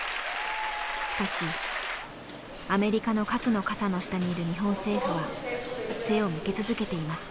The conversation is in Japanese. しかしアメリカの核の傘の下にいる日本政府は背を向け続けています。